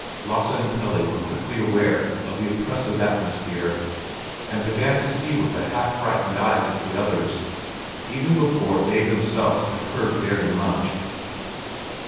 Lasse and Pelle were quickly aware of the oppressive atmosphere, and began to see with the half frightened eyes of the others, even before they themselves had heard very much.